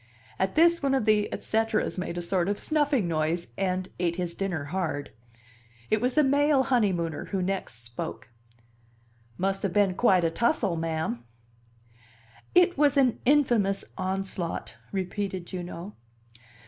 At this one of the et ceteras made a sort of snuffing noise, and ate his dinner hard. It was the male honeymooner who next spoke. "Must have been quite a tussle, ma'am." "It was an infamous onslaught!" repeated Juno.